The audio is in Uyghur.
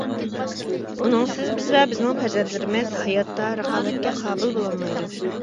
ئۇنىڭسىز بىز ۋە بىزنىڭ پەرزەنتلىرىمىز ھاياتتا رىقابەتكە قابىل بولالمايدۇ.